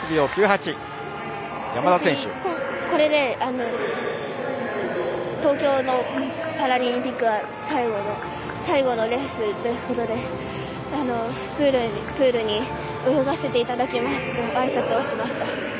私、これで東京のパラリンピックは最後のレースということでプールに泳がせていただきますとあいさつをしました。